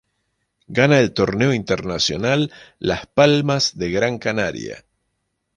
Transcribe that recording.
Gana el Torneo Internacional Las Palmas de Gran Canaria.